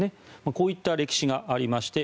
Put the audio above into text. こういった歴史がありまして